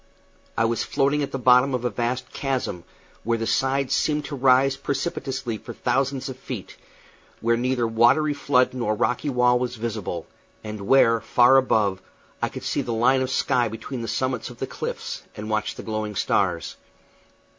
I was floating at the bottom of a vast chasm, where the sides seemed to rise precipitously for thousands of feet, where neither watery flood nor rocky wall was visible, and where, far above, I could see the line of sky between the summits of the cliffs, and watch the glowing stars.